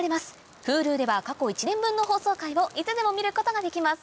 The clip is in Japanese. Ｈｕｌｕでは過去１年分の放送回をいつでも見ることができます